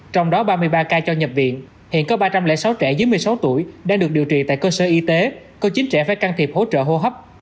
trong đó ba mươi ba ca cho nhập viện hiện có ba trăm linh sáu trẻ dưới một mươi sáu tuổi đang được điều trị tại cơ sở y tế có chín trẻ phải can thiệp hỗ trợ hô hấp